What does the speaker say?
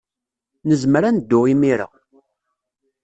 Nezmer ad neddu imir-a.